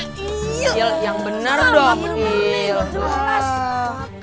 girl yang benar baud living